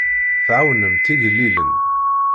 Tɛawnemt igellilen.